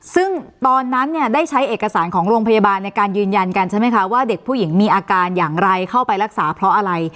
ซึ่งตอนนั้นเนี่ยได้ใช้เอกสารของโรงพยาบาลในการยืนยันกันใช่ไหมคะว่าเด็กผู้หญิงมีอาการอย่างไรเข้าไปรักษาเพราะอะไร